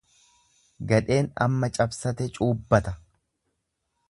Gadheen amma cabsate cuubbata.